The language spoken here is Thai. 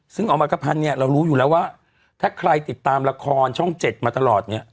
ซึ่งออมักกะพันธ์เนี่ยเรารู้อยู่แล้วว่าถ้าใครติดตามละครช่อง๗มาตลอดเนี่ย